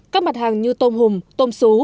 các mặt hàng như tôm hùm tôm xú